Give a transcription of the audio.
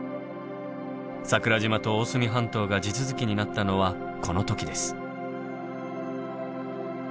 桜島と大隅半島が地続きになったのはこの時です。